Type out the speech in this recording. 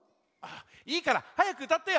いいからはやくうたってよ。